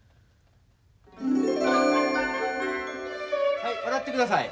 はい笑ってください。